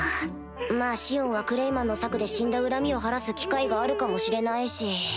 まぁシオンはクレイマンの策で死んだ恨みを晴らす機会があるかもしれないし